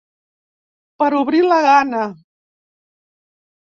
Per obrir la gana.